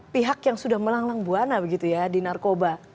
pihak yang sudah melanglang buana begitu ya di narkoba